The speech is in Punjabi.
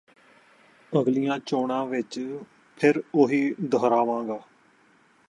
ਅਗਲੀਆਂ ਚੋਣਾਂ ਵਿਚ ਫਿਰ ਉਹੀ ਦੁਹਰਾਵਾਂਗਾ